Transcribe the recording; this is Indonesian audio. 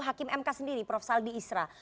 hakim mk sendiri prof saldi isra